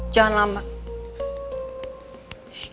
jangan lama ya